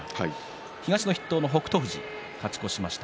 東の筆頭の北勝富士は勝ち越しました。